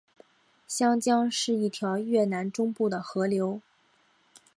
香江是一条越南中部的河流。